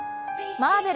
マーベル